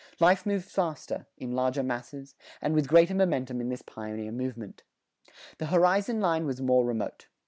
Life moved faster, in larger masses, and with greater momentum in this pioneer movement. The horizon line was more remote.